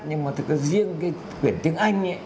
nhưng mà thực ra riêng cái quyển tiếng anh